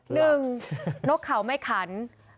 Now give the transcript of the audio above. หนึ่งนกเข่าไม่ขัน